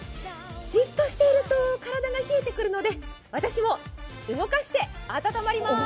じっとしていると体が冷えてくるので、私も動かして暖まりまーす。